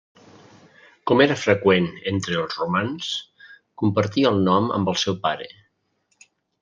Com era freqüent entre els romans, compartia el nom amb el seu pare.